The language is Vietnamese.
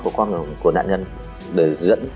của con của đạn nhân